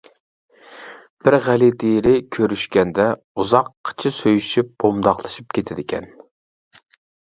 بىر غەلىتە يېرى كۆرۈشكەندە، ئۇزاققىچە سۆيۈشۈپ، پومداقلىشىپ كېتىدىكەن.